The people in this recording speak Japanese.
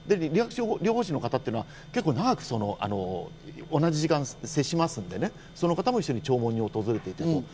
理学療法士の方というのは結構長く同じ時間接しますので、その方も一緒に弔問に訪れたと。